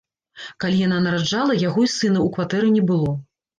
Калі яна нараджала, яго і сына ў кватэры не было.